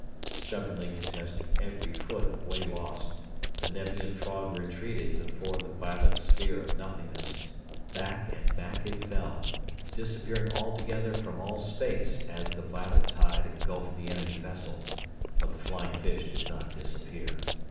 Stubbornly contesting every foot of way lost, the Nevian fog retreated before the violet sphere of nothingness. Back and back it fell, disappearing altogether from all space as the violet tide engulfed the enemy vessel; but the flying fish did not disappear.